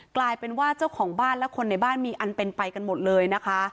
กลายเป็นว่าเจ้าของบ้านและคนในบ้านมีอันเป็นไปกันหมดเลยนะคะ